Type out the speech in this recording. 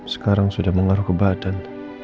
sekarang sudah mengaruh ke badan